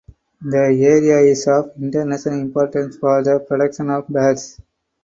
The area is of international importance for the protection of birds.